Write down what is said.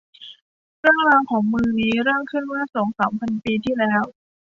เรื่องราวของเมืองนี้เริ่มขึ้นเมื่อสองสามพันปีที่แล้ว